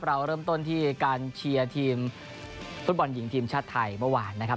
เราเริ่มต้นที่การเชียร์ทีมฟุตบอลหญิงทีมชาติไทยเมื่อวานนะครับ